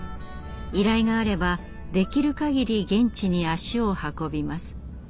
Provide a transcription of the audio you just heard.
依頼があればできるかぎり現地に足を運びます。